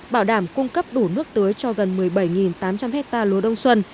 bảo đảm cung cấp đủ nước tưới cho gần một mươi bảy tám trăm linh hectare lúa đông xuân